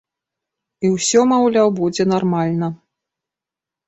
І ўсё, маўляў, будзе нармальна.